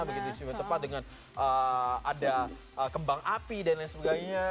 begitu di sini tepat dengan ada kembang api dan lain sebagainya